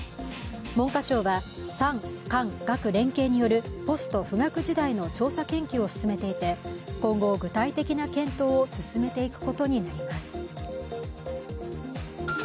文科省は産官学連携によるポスト富岳時代の調査研究を進めていて今後、具体的な検討を進めていくことになります。